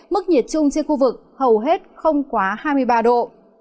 mức nhiệt chung trên khu vực hầu hết không quá hai mươi ba độ